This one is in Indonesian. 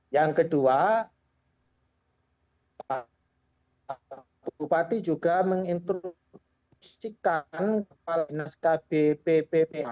yang kedua pak bupati juga menginstruksikan kbp pba